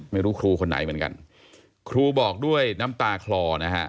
ไม่รู้ครูคนไหนเหมือนกันครูบอกด้วยน้ำตาคลอนะฮะ